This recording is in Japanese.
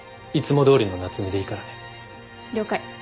了解。